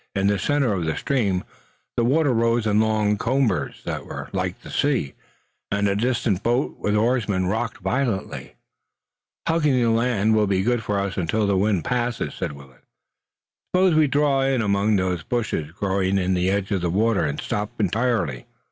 In the center of the stream the water rose in long combers like those of the sea, and a distant boat with oarsmen rocked violently. "Hugging the land will be good for us until the wind passes," said Willet. "Suppose we draw in among those bushes growing in the edge of the water and stop entirely."